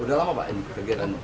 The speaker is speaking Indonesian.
udah lama pak ini kegiatan